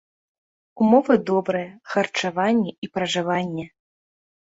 Умовы добрыя, харчаванне і пражыванне.